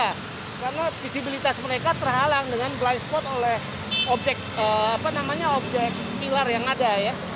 karena visibilitas mereka terhalang dengan blind spot oleh objek pilar yang ada